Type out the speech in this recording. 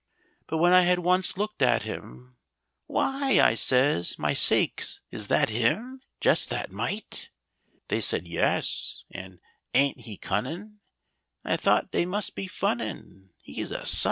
But when I had once looked at him, "Why!" I says, "My sakes, is that him? Just that mite!" They said, "Yes," and, "Ain't he cunnin'?" And I thought they must be funnin', He's a _sight!